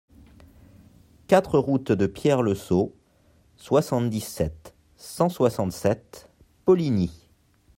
quatre route de Pierre Le Sault, soixante-dix-sept, cent soixante-sept, Poligny